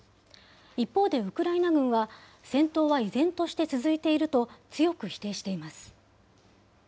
一方でウクライナ軍は、戦闘は依然として続いていると強く否定しています。